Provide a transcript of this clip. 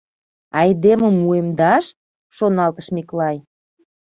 «Айдемым уэмдаш? — шоналтыш Миклай.